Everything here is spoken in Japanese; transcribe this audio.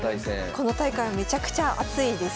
この大会はめちゃくちゃ熱いです。